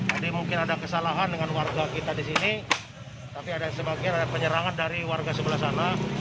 tapi ada sebagian penyerangan dari warga sebelah sana